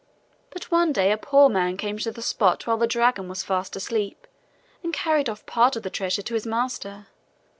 But one day a poor man came to the spot while the dragon was fast asleep and carried off part of the treasure to his master.